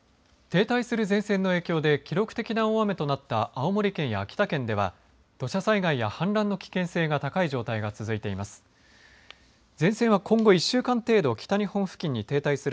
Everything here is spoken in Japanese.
停滞する前線の影響で記録的な大雨となった青森県や秋田県では土砂災害や氾濫の危険性が高い状態が続いています。